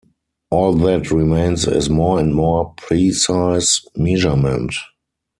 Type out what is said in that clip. All that remains is more and more precise measurement.